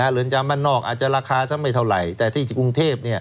เรือนจำบ้านนอกอาจจะราคาซะไม่เท่าไหร่แต่ที่กรุงเทพ